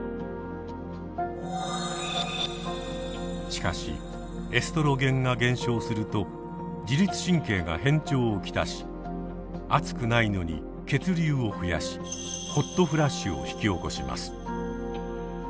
しかしエストロゲンが減少すると自律神経が変調を来し暑くないのに血流を増やしホットフラッシュを引き起こします。